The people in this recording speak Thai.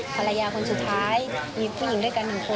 ภรรยาคนสุดท้ายมีผู้หญิงด้วยกัน๑คน